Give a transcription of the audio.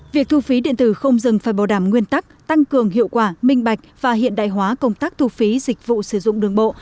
việc thu phí điện tử không dừng phải bảo đảm nguyên tắc tăng cường hiệu quả minh bạch và hiện đại hóa công tác thu phí dịch vụ sử dụng đường bộ